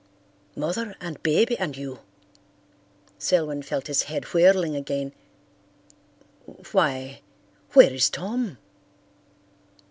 "Mother and Baby and you!" Selwyn felt his head whirling again. "Why, where is Tom?"